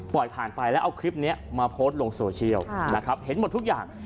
ผ่านไปแล้วเอาคลิปนี้มาโพสต์ลงโซเชียลนะครับเห็นหมดทุกอย่าง